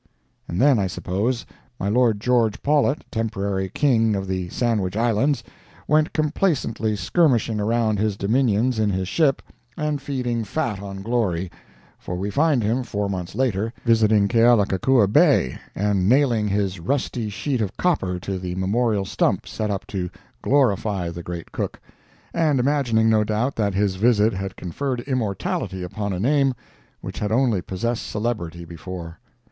And then, I suppose, my Lord George Paulet, temporary King of the Sandwich Islands, went complacently skirmishing around his dominions in his ship, and feeding fat on glory—for we find him, four months later, visiting Kealakekua Bay and nailing his rusty sheet of copper to the memorial stump set up to glorify the great Cook—and imagining, no doubt, that his visit had conferred immortality upon a name which had only possessed celebrity before.